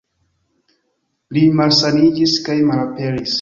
Li malsaniĝis kaj malaperis.